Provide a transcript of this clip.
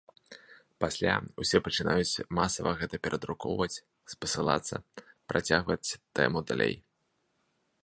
Пасля ўсе пачынаюць масава гэта перадрукоўваць, спасылацца, працягваць тэму далей.